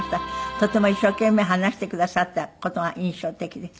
とても一生懸命話してくださった事が印象的です。